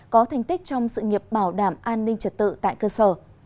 có thành tích trong sự nghiệp bảo đảm an ninh trật tự tại cơ sở